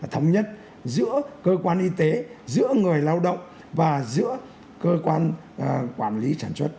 thống nhất giữa cơ quan y tế giữa người lao động và giữa cơ quan quản lý sản xuất